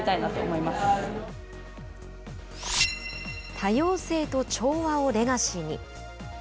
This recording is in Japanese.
「多様性と調和」をレガシーに。